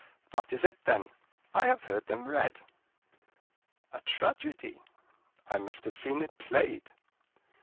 that is it, then; I have heard them read." "A tragedy." "I must have seen it played."